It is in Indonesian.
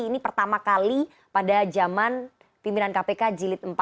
ini pertama kali pada zaman pimpinan kpk jilid empat